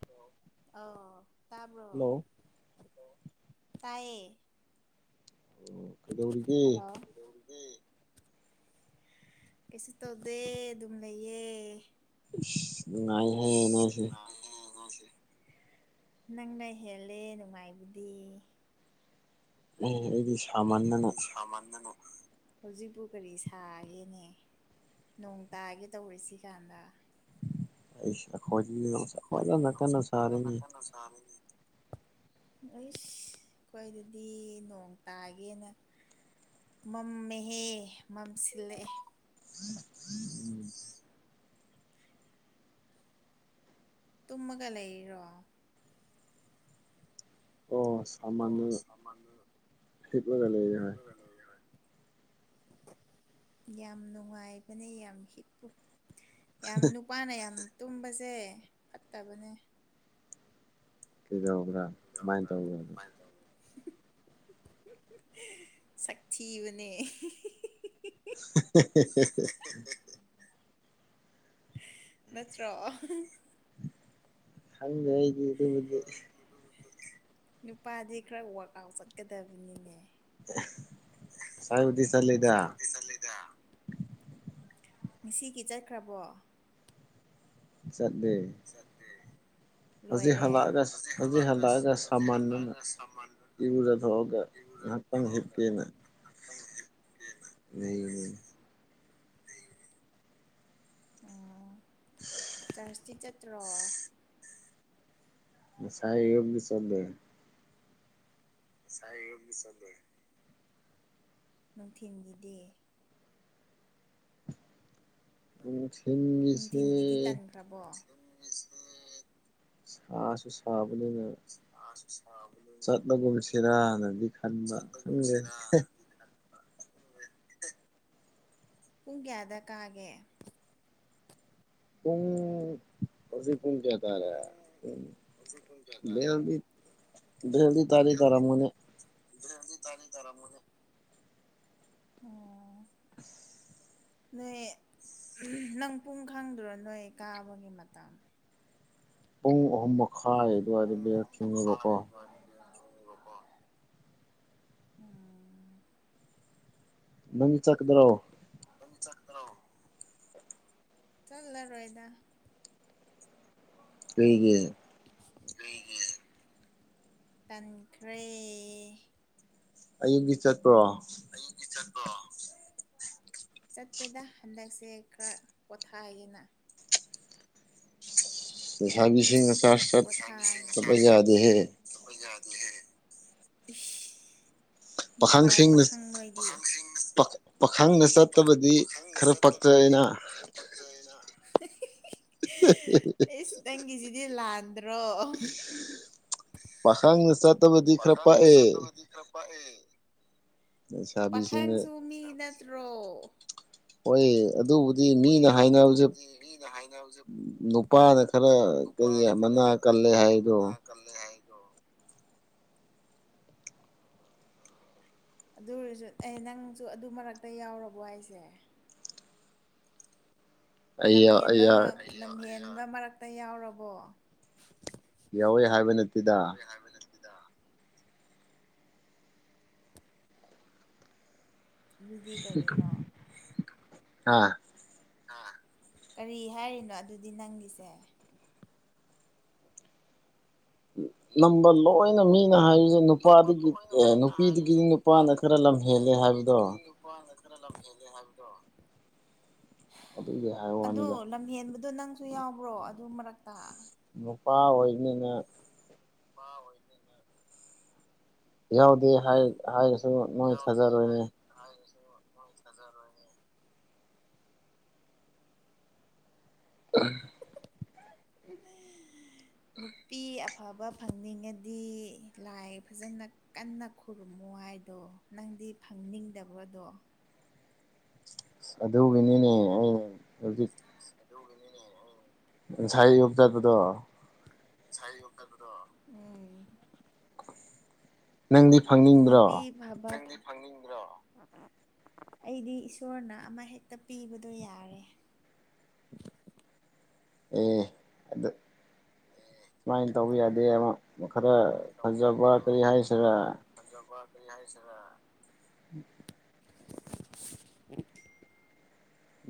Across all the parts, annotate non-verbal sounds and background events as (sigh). Hello ꯑꯧ ꯇꯥꯕ꯭ꯔꯣ hello hello ꯇꯥꯏꯌꯦ ꯀꯩꯗꯧꯔꯤꯒꯦ ꯍꯜꯂꯣ ꯀꯩꯁꯨ ꯇꯧꯗꯦ ꯑꯗꯨꯝ ꯂꯩꯌꯦ ꯏꯁ ꯅꯨꯉꯥꯏꯍꯦ ꯅꯣꯏꯁꯤꯗꯤ ꯅꯪꯅ ꯍꯦꯜꯂꯦ ꯅꯨꯡꯉꯥꯏꯕꯗꯤ (unintelligible) ꯑꯦ ꯑꯩꯗꯤ ꯁꯥꯃꯟꯗꯅ ꯍꯧꯖꯤꯛꯄꯨ ꯀꯔꯤ ꯁꯥꯒꯦꯅꯦ ꯅꯣꯡ ꯇꯥꯒꯦ ꯇꯧꯔꯤꯁꯤ ꯀꯥꯟꯗ ꯏꯁ ꯑꯩꯈꯣꯏꯗꯤ ꯅꯨꯡꯁꯥ ꯐꯥꯖꯅꯥ ꯀꯟꯅꯥ ꯁꯔꯦꯅꯦ ꯁꯥꯔꯦꯅꯦ ꯑꯩꯁ ꯈ꯭ꯋꯥꯏꯗꯗꯤ ꯅꯣꯡ ꯇꯥꯒꯦꯅ ꯃꯝꯃꯦꯍꯦ ꯃꯝꯁꯤꯜꯂꯛꯑꯦ ꯎꯝ ꯎꯝ ꯇꯨꯝꯃꯒ ꯂꯩꯔꯤꯔꯣ ꯑꯣ ꯑꯣ ꯁꯥꯃꯟꯗꯅ ꯁꯃꯝꯗꯅ ꯍꯤꯞꯂꯒ ꯂꯩꯔꯦ ꯍꯣꯏ ꯍꯤꯞꯄꯒ ꯂꯩꯌꯦ ꯍꯣꯏ ꯌꯥꯝ ꯅꯨꯡꯉꯥꯏꯕꯅꯦ ꯌꯥꯝ ꯍꯤꯛꯄꯨ ꯌꯥꯝ ꯅꯨꯄꯥꯅ ꯌꯥꯝ ꯇꯨꯝꯕꯁꯦ ꯐꯠꯇꯕꯅꯦ ꯀꯩꯗꯧꯕ꯭ꯔꯥ (unintelligible) ꯀꯃꯥꯏꯅ ꯇꯧꯕ꯭ꯔꯥ ꯑꯗꯨ ꯀꯃꯥꯏ ꯇꯧꯅꯤ ꯁꯛ ꯊꯤꯕꯅꯦ (unintelligible) ꯅꯠꯇ꯭ꯔꯣ ꯈꯪꯗꯦ ꯑꯩ ꯑꯗꯨꯃꯗꯤ ꯅꯨꯄꯥꯗꯤ ꯈꯔ ꯋꯥꯔꯛ ꯑꯥꯎꯠ ꯆꯠꯀꯗꯕꯅꯤꯅꯦ ꯉꯁꯥꯏꯕꯨꯗꯤ ꯆꯠꯂꯤꯗ ꯁꯥꯟꯅꯕꯗꯤ ꯆꯠꯂꯤꯗ ꯉꯁꯤꯒꯤ ꯆꯠꯈ꯭ꯔꯕꯣ ꯆꯠꯂꯦ ꯆꯠꯇꯦ ꯍꯧꯖꯤꯛ ꯂꯣꯏꯔꯦ ꯍꯜꯂꯛꯑꯒ ꯍꯧꯖꯤꯛ ꯍꯜꯂꯛꯑꯒ ꯍꯧꯖꯤꯛ ꯁꯥꯃꯟꯗꯅ ꯍꯜꯂꯛꯑꯒ ꯁꯥꯃꯟꯗꯅ ꯢꯔꯨꯖ ꯇꯪ ꯍꯤꯞꯀꯦꯅ ꯇꯪ ꯍꯤꯞꯀꯦꯅ ꯅꯩꯕꯅꯦ ꯑꯣ ꯆꯔꯁꯇꯤ ꯆꯠꯇ꯭ꯔꯣ ꯉꯁꯥꯏ ꯑꯌꯨꯛꯅ ꯆꯠꯂꯦ ꯉꯁꯥꯏ ꯑꯌꯨꯛꯅ ꯆꯠꯂꯦ ꯅꯨꯡꯊꯤꯟꯒꯤꯗꯤ ꯅꯨꯡꯊꯤꯟꯒꯤꯁꯤ ꯇꯕꯣ (unintelligible) ꯁꯥꯁꯨ ꯁꯥꯕꯅꯤꯅ (unintelligible) ꯆꯠꯂꯒꯨꯝꯁꯤꯔꯥꯅꯗꯤ ꯈꯟꯕ ꯈꯪꯗꯦ ꯆꯠꯂꯒꯨꯝꯁꯤꯔꯥꯅꯗꯤ ꯈꯜꯂꯦ (unintelligible) ꯄꯨꯡ ꯀꯌꯗ ꯀꯥꯒꯦ ꯄꯨꯨꯡ ꯍꯧꯖꯤꯛ ꯄꯨꯡ ꯀꯌꯥ ꯇꯔꯦ ꯎ ꯃꯌꯥꯝꯗꯤ ꯃꯌꯥꯝꯗꯤ ꯇꯥꯗꯤ ꯇꯔꯝꯃꯅꯤ ꯃꯌꯥꯝꯗꯤ ꯇꯥꯗꯤ ꯇꯔꯝꯃꯅꯤ ꯑꯣ (unintelligible) ꯅꯣꯏ ꯅꯪ ꯄꯨꯡ ꯈꯪꯗ꯭ꯔꯣ ꯅꯣꯏ ꯀꯥꯕꯒꯤ ꯃꯇꯝ ꯄꯨꯡ ꯑꯍꯨꯝ ꯃꯈꯥꯏ ꯑꯗꯨꯋꯥꯏꯗꯗꯤ ꯌꯥꯝ ꯊꯤꯡꯉꯦꯕꯀꯣ (unintelligible) ꯎꯝ ꯅꯪꯗꯤ ꯆꯠꯀꯗ꯭ꯔꯣ ꯅꯪꯗꯤ ꯆꯠꯄ꯭ꯔꯣ ꯆꯠꯂꯔꯣꯢꯗ ꯀꯩꯒꯤ ꯀꯩꯒꯤ ꯇꯟꯈ꯭ꯔꯦ ꯑꯌꯨꯛꯇꯤ ꯆꯠꯄ꯭ꯔꯣ ꯆꯠꯇꯦꯗ ꯍꯟꯗꯛꯁꯦ ꯈꯔ ꯄꯣꯊꯥꯏꯌꯦꯅ ꯂꯩꯁꯥꯕꯤꯁꯤꯡꯅ ꯆꯥꯔꯖ (unintelligible) ꯆꯠꯇꯕ ꯁꯣꯢ ꯌꯥꯗꯦꯍꯦ ꯌꯥꯗꯦꯍꯦ ꯢꯁ ꯅꯨꯄꯥ ꯄꯥꯈꯪꯁꯤꯡꯅ ꯄꯥꯈꯪ (unintelligible) ꯄꯥꯈꯪ ꯄꯥ ꯄꯥꯈꯪꯅ ꯆꯠꯇꯕꯗꯤ ꯄꯥꯈꯪꯅ ꯈꯔ ꯆꯠꯇꯕꯗꯤ ꯄꯛꯆꯩꯅ ꯈꯔꯇꯪ (unintelligible) ꯢꯁ ꯅꯪꯒꯤꯁꯤꯗꯤ ꯂꯥꯟꯗ꯭ꯔꯣ ꯄꯥꯈꯪꯅ ꯆꯠꯇꯕꯗꯤ ꯈꯔ ꯄꯛꯑꯦ ꯄꯛꯑ ꯦ ꯂꯩꯁꯥꯕꯤꯁꯤꯡꯅ ꯄꯥꯈꯪꯁꯨ ꯃꯤ ꯅꯠꯇ꯭ꯔꯣ ꯍꯣꯏ ꯑꯗꯨꯕꯨꯗꯤ ꯃꯤꯅ ꯍꯥꯏꯅꯕꯁꯦ ꯅꯨꯞ ꯅꯨꯄꯥꯅ ꯈꯔ ꯀꯔꯤ ꯃꯅꯥ ꯀꯜꯂꯦ ꯍꯥꯏꯗꯣ ꯀꯜꯂꯦ ꯍꯥꯏꯗꯣ ꯑꯗꯨ ꯑꯣꯏꯔꯖꯨ ꯑꯩ ꯅꯪꯁꯨ ꯑꯗꯨ ꯃꯔꯛꯇ ꯌꯥꯎꯔꯕꯣ ꯍꯥꯏꯁꯦ ꯑꯩ ꯑꯩ ꯂꯝꯍꯦꯟꯕ ꯂꯝꯍꯦꯟꯕ ꯃꯔꯛꯇ ꯌꯥꯎꯔꯕꯣ ꯌꯥꯎꯋꯦ ꯍꯥꯏꯕ ꯅꯠꯇꯦꯗ ꯇꯦꯗ ꯑꯗꯨꯗꯤ ꯀꯔꯤꯅꯣ ꯑꯥ ꯍꯥ ꯀꯔꯤ ꯍꯥꯏꯔꯤꯅꯣ ꯑꯗꯨꯗꯤ ꯅꯪꯒꯤꯁꯦ ꯅꯝꯕ ꯂꯣꯏꯅ ꯃꯤꯅ ꯍꯥꯏ ꯁꯦ ꯅꯨꯄꯥꯗꯒꯤ ꯑꯦ ꯅꯨꯄꯤꯗꯒꯤꯗꯤ ꯅꯨꯄꯥꯅ ꯈꯔ ꯂꯝ ꯍꯦꯜꯂꯦ ꯍꯥꯏꯕꯗꯣ ꯅꯨꯄꯥꯅ ꯈꯔ ꯂꯝ ꯍꯦꯟꯂꯦ ꯍꯥꯏꯕꯗꯣ ꯑꯗꯨꯒꯤ ꯍꯥꯏꯕ ꯑꯗꯣ ꯋꯥꯅꯤꯗ ꯂꯝꯍꯦꯟꯕꯗꯣ ꯅꯪꯁꯨ ꯌꯥꯎꯕ꯭ꯔꯣ ꯑꯗꯨ ꯃꯔꯛꯇ ꯅꯨꯄꯥ ꯑꯣꯏꯅꯤꯅ ꯅꯨꯄꯥ ꯑꯣꯏꯅꯤꯅ ꯌꯥꯎꯗꯦ ꯍꯥꯏ ꯍꯥꯏꯔꯁꯨ ꯅꯣꯏ ꯌꯥꯎꯗꯦ ꯊꯥꯖꯔꯣꯏꯅꯦ ꯍꯥꯏ ꯍꯥꯏꯔꯁꯨ ꯃꯣꯏ ꯊꯖꯥꯔꯣꯏ ꯍꯦ (unintelligible) (inaudible) ꯅꯨꯄꯤ ꯑꯐꯕ ꯐꯪꯅꯤꯡꯉꯗꯤ ꯂꯥꯏ ꯐꯥꯖꯅ ꯀꯟꯅ ꯈꯨꯔꯨꯝꯃꯣ ꯍꯥꯏꯗꯣ ꯅꯪꯗꯤ ꯐꯪꯅꯤꯡꯗꯕ꯭ꯔꯣ ꯑꯗꯣ ꯑꯗꯨꯒꯤꯅꯤꯅꯦ ꯑꯩꯅ ꯑꯗꯨꯒꯤꯅꯤꯅꯦ ꯑꯩꯅ ꯉꯁꯥꯏ ꯌꯨꯞ ꯇꯠꯄꯗꯣ ꯉꯁꯥꯏ ꯑꯌꯨꯛ ꯇꯠꯄꯗꯣ ꯎꯝ ꯅꯪꯗꯤ ꯐꯪꯅꯤꯡꯗ꯭ꯔꯣ ꯅꯪꯗꯤ ꯐꯪꯅꯤꯡꯕ꯭ꯔꯣ ꯑꯩꯗꯤ ꯏꯁꯣꯔꯅ ꯑꯃ ꯍꯦꯛꯇ ꯄꯤꯕꯗꯣ ꯌꯥꯔꯦ ꯑꯦ ꯑꯗ ꯁꯨꯃꯥꯏꯅ ꯇꯧꯕ ꯌꯥꯗꯦ ꯑꯃꯨꯛ ꯈꯔ ꯐꯥꯖꯕ ꯀꯔꯤ ꯍꯥꯏꯁꯤꯔꯥ ꯐꯥꯖꯕ ꯀꯔꯤ ꯍꯥꯏꯁꯤꯔꯥ ꯎꯝ (inaudible) (unintelligible)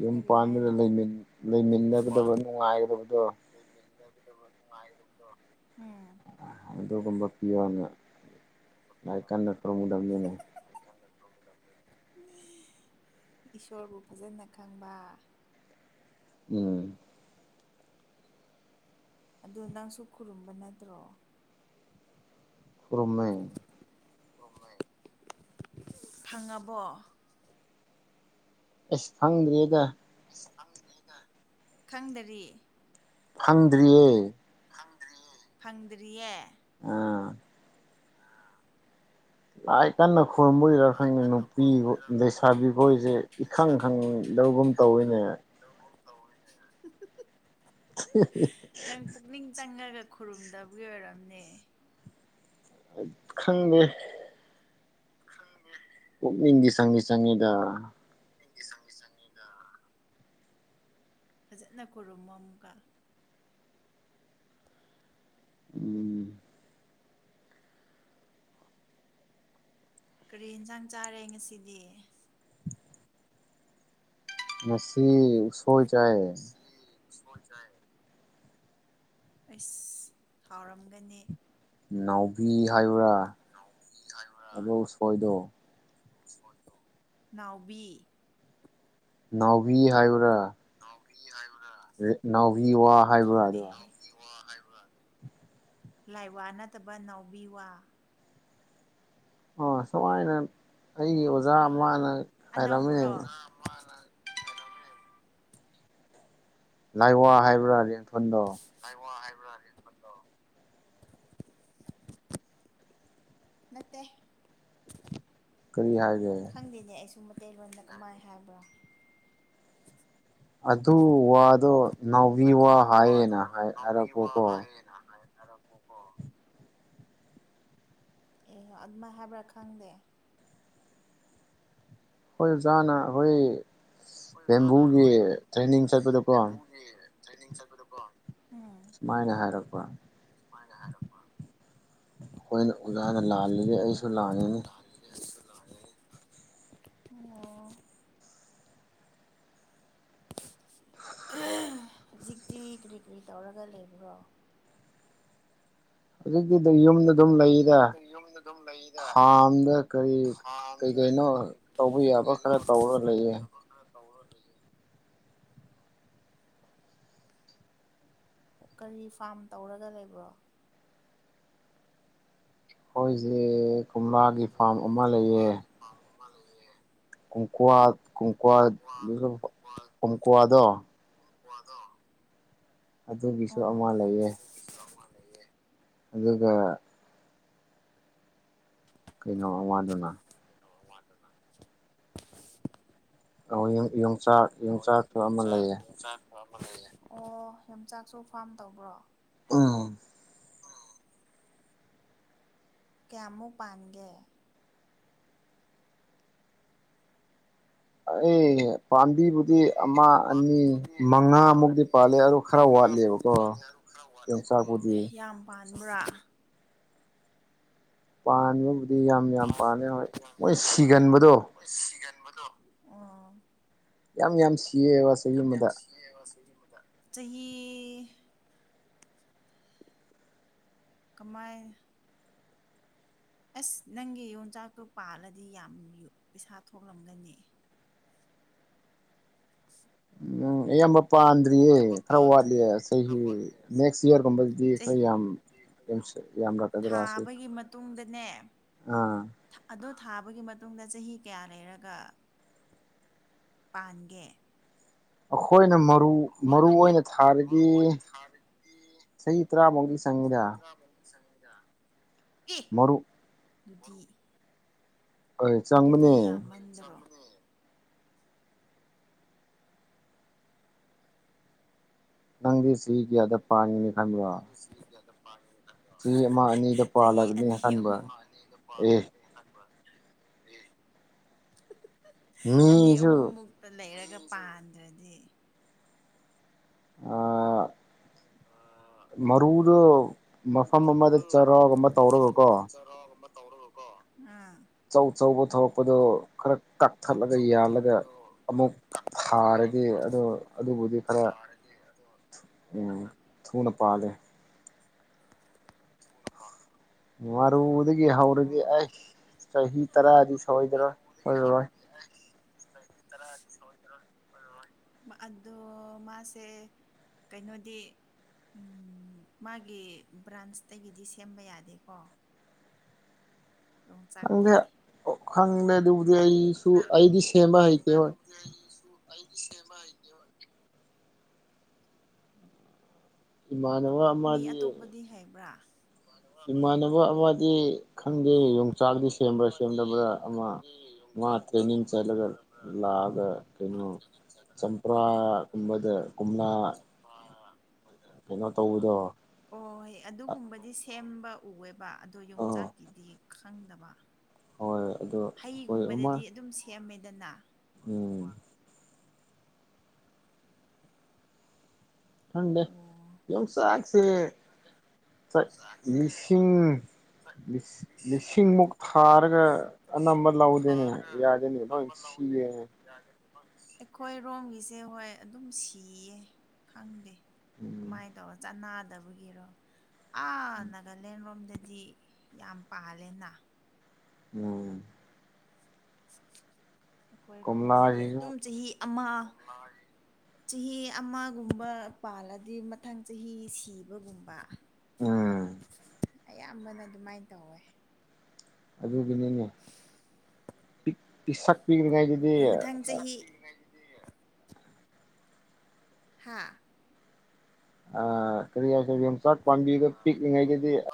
ꯌꯨꯝ ꯀꯔꯤ ꯄꯥꯟꯕꯗ ꯍꯥꯏꯅꯣ ꯂꯩꯃꯤꯟ ꯂꯩꯃꯤꯟꯅꯒꯗꯕ ꯅꯨꯡꯉꯥꯏꯒꯗꯕꯗꯣ ꯂꯩꯃꯤꯟꯅꯒꯗꯕ ꯅꯨꯡꯉꯥꯏꯒꯗꯕꯗꯣ ꯎꯝ ꯑꯗꯨꯒꯨꯝꯕ ꯄꯤꯌꯣꯅ ꯂꯥꯏ ꯀꯟꯅ ꯈꯨꯔꯨꯝꯒꯗꯅꯤꯅꯦ (unintelligible) ꯏꯁꯣꯔꯕꯨ ꯐꯥꯖꯅ ꯈꯪꯕ ꯎꯝ ꯑꯗ ꯅꯪꯁꯨ ꯈꯨꯔꯨꯝꯕ ꯅꯠꯇ꯭ꯔꯣ ꯈꯨꯔꯨꯝꯃꯦ ꯈꯨꯔꯨꯝꯃꯦ ꯐꯪꯉꯕꯣ ꯑꯁ ꯐꯪꯗ꯭ꯔꯤꯗꯥ ꯑꯁ ꯐꯪꯗ꯭ꯔꯤꯗ ꯈꯪꯗꯔꯤ ꯐꯪꯗ꯭ꯔꯤꯌꯦ ꯍꯥꯡꯗꯔꯤꯌꯦ ꯐꯪꯗ꯭ꯔꯤꯌꯦ꯫ ꯑꯥ꯫ ꯂꯥꯏ ꯀꯟꯅ ꯈꯨꯣꯏꯔꯨꯝꯝꯕ ꯑꯣꯏꯗꯔꯥ ꯈꯪꯗꯦ ꯅꯨꯄꯤ ꯂꯩꯁꯥꯕꯤꯈꯣꯏꯁꯦ ꯏꯈꯪ ꯈꯪꯗꯒꯨꯝ ꯇꯧꯋꯤꯅꯦ꯫ ꯇꯧꯒꯨꯝ ꯇꯧꯏꯅꯦ꯫ (unintelligible) ꯄꯨꯛꯅꯤꯡ ꯆꯪꯉꯒ ꯈꯨꯔꯨꯝꯗꯕꯒꯤ ꯑꯣꯏꯔꯝꯅꯤ꯫ ꯈꯪꯗꯦ꯫ ꯈꯪꯗꯦ꯫ ꯄꯨꯛꯅꯤꯡꯗꯤ ꯆꯪꯗꯤ ꯆꯪꯉꯤꯗ꯫ ꯄꯨꯛꯅꯤꯡꯗꯤ ꯁꯪꯒꯤ ꯆꯪꯉꯤꯗ꯫ ꯐꯖꯅ ꯈꯨꯔꯨꯝꯃꫭ ꯑꯃꯨꯒ꯫ ꯎꯝ꯫ ꯀꯔꯤ ꯌꯦꯟꯁꯥꯡ ꯆꯥꯔꯦ ꯉꯁꯤꯗꯤ꯫ ꯉꯁꯤ ꯎꯁꯣꯏ ꯆꯥꯏ꯫ ꯁꯤ ꯎꯁꯣꯏ ꯆꯥꯏ꯫ ꯑꯩꯁ ꯍꯥꯎꯔꯝꯒꯅꯤ꯫ ꯅꯥꯎꯕꯤ ꯍꯥꯏꯕ꯭ꯔꯥ ꯑꯗꫭ ꯎꯁꯣꯏꯗꯣ꯫ ꯎꯁꯣꯏꯗꯣ ꯅꯥꯎꯕꯤ꯫ ꯅꯥꯎꯕꯤ ꯍꯥꯏꯕ꯭ꯔꯥ꯫ ꯅꯥꯎꯕꯤ ꯍꯥꯏꯕ꯭ꯔꯥ꯫ ꯅꯥꯎꯚꯤꯋꯥ ꯍꯥꯏꯕ꯭ꯔꯥꯗꯣ꯫ ꯀꯔꯤ ꯋꯥ ꯍꯥꯏꯕꯔ ꯂꯥꯏꯋꯥ ꯅꯠꯇꯕ ꯅꯥꯎꯕꯤ ꯋꯥ꯫ ꯑꯣ ꯁꯨꯃꯥꯏꯅ ꯑꯩꯒꯤ ꯑꯣꯖꯥ ꯑꯃꯅ ꯍꯥꯏꯔꯝꯃꯦ꯫ ꯃꯥꯅ ꯂꯥꯏꯋꯥ ꯍꯥꯏꯕ꯭ꯔꯥ ꯂꯦꯟꯊꯣꯟꯗꯣ꯫ ꯂꯥꯏꯋꯥ ꯍꯥꯏꯕ꯭ꯔꯥ ꯔꯤꯐꯟꯗꯣ ꯅꯥꯠꯇꯦ꯫ ꯀꯔꯤ ꯍꯥꯏꯒꯦ ꯈꯪꯗꯦꯅꯦ ꯑꯩꯁꯨ ꯃꯩꯇꯩꯂꯣꯟꯗ ꯀꯃꯥꯏ ꯍꯥꯏꯕ꯭ꯔꯥ꯫ ꯑꯗꯨ ꯋꯥꯗꯣ ꯅꯥꯎꯕꯤ ꯋꯥ ꯍꯥꯏꯌꯦꯅ ꯍꯥꯏ ꯍꯥꯏꯔꯛꯄꯀꯣ꯫ (unintelligible) ꯉꯥꯏꯔꯝꯃꯣꯀꯣ꯫ ꯑꯦꯍꯣꯏ ꯑꯗꯨꯃꯥꯏ ꯍꯥꯏꯕ꯭ꯔꯥ ꯈꯪꯗꯦ꯫ ꯍꯣꯏ ꯑꯣꯖꯥꯅ ꯑꯩꯈꯣꯏ ꯕꯦꯝꯕꯨꯒꯤ ꯇ꯭ꯔꯦꯟꯅꯤꯡ ꯆꯠꯄꯗꯀꯣ꯫ ꯇꯔꯦꯅꯤꯡ ꯆꯥꯠꯄꯗꯀꯣ ꯫ ꯁꯨꯃꯥꯏꯅ ꯍꯥꯏꯔꯛꯄ꯫ ꯁꯨꯃꯥꯏꯅꯥ ꯍꯥꯏꯔꯄ꯫ ꯑꯩꯈꯣꯏꯅ ꯑꯣꯖꯥꯅ ꯂꯥꯜꯂꯤꯁ ꯑꯩꯁꯨ ꯂꯥꯅꯤꯅꯤ꯫ ꯑꯩꯁꯨ ꯂꯟꯂꯦꯅꯦ ꯑꯣ꯫ ꯍꯧꯖꯤꯛꯇꯤ ꯀꯔꯤ ꯀꯔꯤ ꯇꯧꯔꯒ ꯂꯩꯕ꯭ꯔꯣ ꯍꯧꯖꯤꯛꯇꯤ ꯌꯨꯝꯗ ꯑꯗꯨꯝ ꯂꯩꯗ ꯍꯧꯖꯤꯛꯇꯤ ꯌꯨꯝꯗ ꯑꯗꯨꯝ ꯂꯩꯗ ꯐꯥꯝꯗ ꯀꯔꯤ ꯀꯩ ꯈꯥꯝꯗ ꯀꯩꯅꯣ ꯀꯔꯤ ꯇꯧꯕ ꯀꯩ ꯌꯥꯕ ꯀꯩꯅꯣ ꯈꯔ ꯇꯧꯔ ꯇꯧꯕ ꯂꯩꯌꯦ ꯌꯥꯕ ꯈꯔ ꯇꯧꯔꯒꯥ ꯂꯩꯌꯑꯦ꯫ ꯀꯔꯤ ꯐꯥꯔꯝ ꯇꯧꯔꯒ ꯂꯩꯏꯕꯔꯣ꯫ ꯈꯣꯏꯁꯦ ꯀꯣꯝꯂꯥꯒꯤ ꯐꯥꯝ ꯑꯃ ꯂꯩꯌꯦ꯫ ꯍꯞ ꯑꯃꯥ ꯂꯦꯌꯦ꯫ ꯀꯣꯝꯀ꯭ꯋꯥ ꯀꯨꯝꯀ꯭ꯋꯥ ꯗꯨꯖꯨ ꯀꯨꯝꯀ꯭ꯋꯥꯗꯣ ꯀꯣꯝꯀ꯭ꯋꯥ ꯗꯣ ꯑꯗꯨꯒꯤꯁꯨ ꯑꯃ ꯂꯩꯌꯦ (inaudible) ꯑꯃ ꯂꯩꯌꯦ ꯑꯗꯨꯒ ꯀꯩꯅꯣ ꯑꯃꯗꯨꯅ (inaudible) (unintelligible) ꯌꯣꯡꯆꯥꯛ ꯌꯣꯡꯆꯥꯛꯇꯥ ꯑꯃ ꯂꯩꯌꯦ (inaudible) ꯑꯣ ꯌꯣꯡꯆꯥꯛꯁꯨ ꯐꯥꯔꯝ ꯇꯧꯕ꯭ꯔꯣ ꯎꯝ ꯎꯝ ꯀꯌꯥꯃꯨꯛ ꯄꯥꯟꯒꯦ ꯑꯥꯑꯩ ꯄꯥꯝꯕꯤꯕꯨꯗꯤ ꯑꯃ ꯑꯅꯤ ꯃꯉꯥꯃꯨꯛꯗꯤ ꯄꯥꯂꯦ ꯑꯗꯨ ꯈꯔ ꯋꯥꯠꯂꯦꯕꯀꯣ ꯈꯔ ꯋꯥꯠꯂꯦꯕꯀꯣ ꯌꯣꯡꯆꯥꯛꯄꯨꯗꯤ ꯌꯥꯝ ꯄꯥꯟꯕ꯭ꯔꯥ ꯄꯥꯟꯕꯕꯨꯗꯤ ꯌꯥꯝ ꯌꯥꯝ ꯄꯥꯜꯂꯦ ꯍꯣꯏ ꯃꯣꯏ ꯁꯤꯒꯟꯕꯗꯣ ꯃꯣꯏ ꯁꯤꯒꯟꯕꯗꯣ ꯎꯝ ꯌꯥꯝ ꯌꯥꯝ ꯁꯤꯌꯦꯕ ꯆꯍꯤ ꯌꯥꯝ ꯌꯥꯝ ꯑꯃꯗ ꯁꯤꯌꯦꯕ ꯆꯍꯤ ꯑꯃꯗ ꯆꯍꯤ ꯀꯃꯥꯏ ꯑꯁ ꯅꯪꯒꯤ ꯌꯣꯟꯆꯥꯛꯇꯣ ꯄꯥꯜꯂꯗꯤ ꯌꯥꯝ ꯄꯩꯁꯥ ꯊꯣꯛꯂꯝꯒꯅꯤ (inaudible) ꯎꯝ ꯑꯌꯥꯝꯕ ꯄꯥꯟꯗ꯭ꯔꯤꯌꯦ ꯌꯥꯝꯕ ꯈꯔ ꯋꯥꯠꯂꯤꯌꯦ ꯄꯥꯟꯗ꯭ꯔꯤꯌꯦ ꯆꯍꯤ ꯈꯔ ꯋꯥꯠꯂꯤ ꯅꯦꯛꯁ ꯆꯍꯤ ꯌꯥꯔꯒꯨꯝꯕꯗꯨꯗꯤ ꯅꯦꯛꯁ ꯈꯔ ꯌꯥꯝ ꯌꯔꯒꯨꯝꯕꯗꯤ ꯈꯔ ꯌꯥꯝ ꯌꯥꯝꯔꯛꯀꯗ꯭ꯔꯥ ꯁꯤ ꯊꯥꯕꯒꯤ ꯃꯇꯨꯡꯗꯅꯦ ꯑꯥ ꯑꯗꯣ ꯊꯥꯕꯒꯤ ꯃꯇꯨꯡꯗ ꯆꯍꯤ ꯀꯌꯥ ꯂꯩꯔꯒ ꯄꯥꯟꯒꯦ ꯑꯈꯣꯏꯅ ꯃꯛ ꯃꯔꯨ ꯃꯔꯨ ꯑꯣꯏꯅ ꯊꯥꯔꯤꯗꯤ ꯆꯍꯤ ꯇꯔꯥꯃꯨꯛꯗꯤ ꯆꯪꯉꯤꯗ ꯆꯪꯉꯤꯗ ꯑꯦ ꯃꯥꯔꯨ ꯑꯗꯨꯗꯤ ꯑꯣꯏ ꯑꯗꯨꯗꯤ ꯆꯪꯕꯅꯦ ꯌꯥꯝꯃꯟꯗ꯭ꯔꯣ ꯅꯪꯗꯤ ꯆꯍꯤ ꯀꯌꯥꯗ ꯄꯟꯒꯅꯤ ꯈꯟꯕ꯭ꯔꯣ ꯅꯪꯗꯤ ꯆꯍꯤ ꯀꯌꯥꯗ ꯄꯟꯒꯅꯤ ꯈꯟ ꯆꯍꯤ ꯑꯃ ꯑꯅꯤꯗ ꯆꯍꯤ ꯄꯥꯜꯂꯒꯅꯤ ꯑꯅꯤ ꯈꯟꯕ꯭ꯔꯥ ꯑꯃ (inaudible) (inaudible) ꯑꯦ ꯑꯅꯤ ꯃꯤꯁꯨ ꯑꯍꯨꯝꯃꯨꯛ ꯂꯩꯔꯒ ꯄꯥꯟꯗ꯭ꯔꯥꯗꯤ ꯑꯥ ꯃꯥꯔꯨꯗꯣ ꯃꯐꯝ ꯑꯃꯗ ꯆꯔꯥꯒꯨꯝꯕ ꯇꯧꯔꯒ ꯀꯣ (unintelligible) ꯇꯧꯔꯒꯀꯣ ꯎꯝ ꯆꯧ ꯆꯧꯕ ꯊꯣꯔꯛꯄꯗꯣ ꯈꯔ ꯀꯛꯊꯠꯂꯒ ꯌꯥꯜꯂꯒ ꯑꯃꯨꯛ ꯊꯥꯔꯗꯤ ꯑꯗꯨ ꯑꯗꯨꯕꯨꯗꯤ ꯈꯔ ꯎꯝ ꯊꯨꯅ ꯄꯥꯂꯦ (unintelligible) ꯃꯔꯨꯗꯒꯤ ꯍꯧꯔꯗꯤ ꯑꯣ ꯑꯩ ꯆꯍꯤ ꯇꯔꯥꯗꯤ ꯁꯣꯏꯗꯔꯣꯏ ꯁꯣꯏꯔꯣꯏ (inaudible) ꯑꯗꯨꯣ ꯃꯥꯁꯦ ꯀꯩꯅꯣꯗꯤ ꯎꯝ ꯃꯥꯒꯤ ꯕ꯭ꯔꯥꯟꯁꯇꯒꯤꯗꯤ ꯁꯦꯝꯕ ꯌꯥꯗꯦꯀꯣ ꯈꯪꯗꯦ ꯌꯣꯡꯆꯥꯛꯇꯤ ꯑꯣ ꯈꯪꯗꯦ ꯑꯗꯨꯕꯨꯗꯤ ꯑꯩꯁꯨ ꯑꯩꯗꯤ ꯁꯦꯝꯕ ꯍꯩꯇꯦꯕꯥ ꯑꯩꯁꯨ ꯑꯩꯗꯤ ꯁꯦꯝꯕ ꯍꯩꯇꯦꯕꯥ ꯏꯝꯅꯥꯅꯕ ꯑꯃꯃꯗꯤ ꯀꯩ ꯍꯥꯏꯕ꯭ꯔꯥ ꯏꯃꯥꯟꯅꯕ ꯑꯃꯗꯤ ꯈꯪꯗꯦ ꯌꯣꯡꯆꯥꯛꯗꯤ ꯁꯦꯝꯕ꯭ꯔꯥ ꯁꯦꯝꯗꯕ꯭ꯔꯥ ꯑꯃ ꯃꯥ ꯇ꯭ꯔꯦꯅꯤꯡ ꯆꯠꯂꯒ ꯂꯥꯑꯒ ꯀꯩꯅꯣ ꯆꯝꯄ꯭ꯔꯥꯒꯨꯝꯕꯗ ꯀꯣꯝꯂꯥ ꯑ ꯀꯩꯅꯣ ꯇꯧꯕꯗꯣ ꯑꯣꯣꯏ ꯑꯗꯨꯒꯨꯝꯕꯗꯤ ꯁꯦꯝꯕ ꯎꯑꯦꯕ ꯑꯗꯣ ꯌꯣꯡꯆꯥꯛꯀꯤꯗꯤ ꯈꯪꯗꯕ ꯍ‌ꯣꯏ ꯑꯗꯨ ꯍꯩꯒꯨꯝꯕꯗꯗꯤ ꯑꯗꯨꯝ ꯁꯦꯝꯃꯦꯗꯅ ꯎꯝ ꯈꯪꯗꯦ ꯑꯣ ꯌꯣꯡꯆꯥꯛꯁꯦ ꯆꯠ ꯂꯤꯁꯤꯡ ꯂꯤꯁꯤꯡꯃꯨꯛ ꯊꯥꯔꯒ ꯑꯅꯝꯕ ꯂꯧꯗꯦꯅꯦ ꯌꯥꯗꯦꯅꯦ ꯂꯣꯏ ꯁꯤꯌꯦꯅꯦ ꯑꯩꯈꯣꯏ ꯔꯣꯝꯒꯤꯁꯦ ꯍꯣꯏ ꯑꯗꯨꯝ ꯁꯤꯌꯦ ꯈꯪꯗꯦ ꯎꯝ ꯀꯃꯥꯏꯅ ꯇꯧꯕ ꯆꯥꯟꯅꯗꯕꯒꯤꯔꯣ ꯑꯥ ꯅꯥꯒꯥꯂꯦꯟꯔꯣꯝꯗꯗꯤ ꯌꯥꯝ ꯄꯥꯜꯂꯦꯅ ꯎꯝ ꯑꯩꯈꯣꯏꯔꯣꯝꯒꯤꯁꯤꯗꯤ ꯀꯣꯝꯂꯥꯁꯤꯁꯨ ꯑꯗꯨꯝ ꯆꯍꯤ ꯑꯃ ꯆꯍꯤ ꯑꯃꯒꯨꯝꯕ ꯄꯥꯜꯂꯗꯤ ꯃꯊꯪ ꯆꯍꯤ ꯁꯤꯕꯒꯨꯝꯕ ꯎꯝ ꯑꯌꯥꯝꯕꯅ ꯑꯗꯨꯃꯥꯏꯅ ꯇꯧꯋꯦ ꯑꯗꯨꯒꯤꯅꯦꯅꯦ ꯄꯤꯁꯛ ꯄꯤꯀꯂꯤꯉꯥꯏꯗꯤ ꯑꯗꯣ ꯃꯊꯪ ꯆꯍꯤ ꯍꯥꯥ ꯑ ꯀꯔꯤ ꯍꯥꯏꯁꯦ ꯌꯣꯡꯆꯥꯛ ꯄꯥꯝꯕꯤꯗꯣ ꯄꯤꯛꯂꯤꯉꯩꯒꯤꯗꯤ